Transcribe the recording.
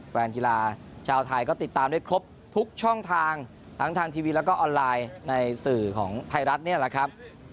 แฟนกีฬาชาวไทยก็ติดตามได้ครบทุกช่องทางทั้งทางทีวีแล้วก็ออนไลน์ในสื่อของไทยรัฐนี่แหละครับ